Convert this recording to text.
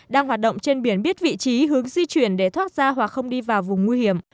đang hoạt động trên biển biết vị trí hướng di chuyển để thoát ra hoặc không đi vào vùng nguy hiểm